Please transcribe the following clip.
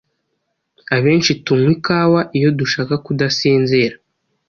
Abenshi tunywa ikawa iyo dushaka kudasinzira